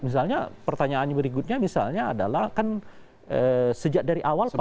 misalnya pertanyaan berikutnya misalnya adalah kan sejak dari awal pak